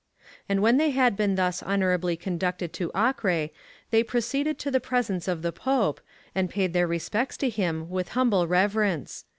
And when they had been thus honourably conducted to Acre they proceeded to the presence of the Pope, and paid their respects to him with humble reverence.